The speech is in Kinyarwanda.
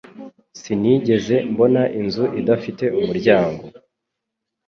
Sinigeze mbona inzu idafite umuryango.